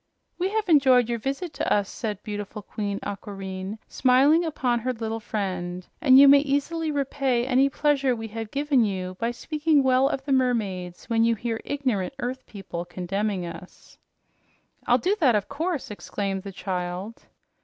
"We have enjoyed your visit to us," said beautiful Queen Aquareine, smiling upon her little friend, "and you may easily repay any pleasure we have given you by speaking well of the mermaids when you hear ignorant earth people condemning us." "I'll do that, of course," exclaimed the child.